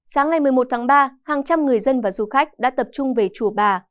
sáng ngày một mươi một tháng ba hàng trăm người dân và du khách đã tập trung về chùa bà